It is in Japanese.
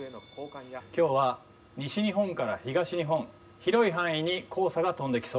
今日は西日本から東日本広い範囲に黄砂が飛んできそうです。